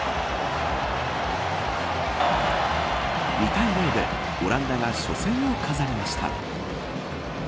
２対０でオランダが初戦を飾りました。